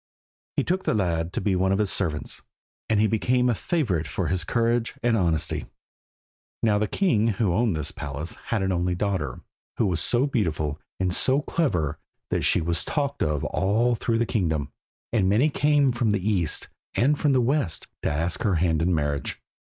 He took the lad to be one of his servants, and he became a favourite for his courage and honesty. Now the king who owned this palace had an only daughter, who was so beautiful and so clever that she was talked of all through the kingdom, and many came from the east and from the west to ask her hand in marriage.